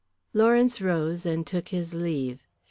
Lawrence rose and took his leave.